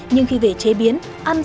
nhưng khi về chế biến